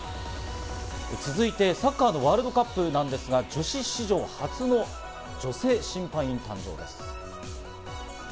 続いてサッカーのワールドカップなんですが、女子史上初の女性審判員誕生です。